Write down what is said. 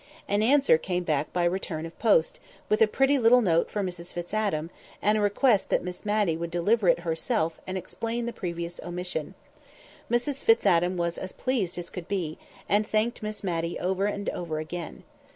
An answer came back by return of post, with a pretty little note for Mrs Fitz Adam, and a request that Miss Matty would deliver it herself and explain the previous omission. Mrs Fitz Adam was as pleased as could be, and thanked Miss Matty over and over again.